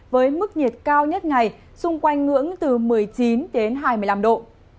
với mức nhiệt cao nhất ngày xung quanh ngưỡng từ một mươi chín đến hai mươi năm độ